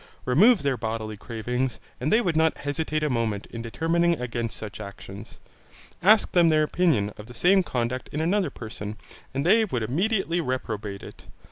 Remove their bodily cravings, and they would not hesitate a moment in determining against such actions. Ask them their opinion of the same conduct in another person, and they would immediately reprobate it.